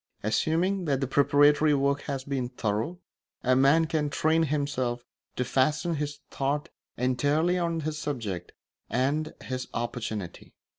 Assuming that the preparatory work has been thorough, a man can train himself to fasten his thought entirely on his subject and his opportunity.